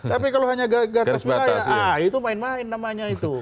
tapi kalau hanya gartas wilayah ah itu main main namanya itu